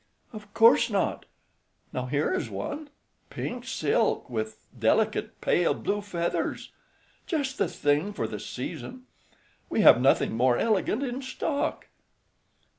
"Of course not. Now here is one; pink silk, with delicate pale blue feathers. Just the thing for the season. We have nothing more elegant in stock."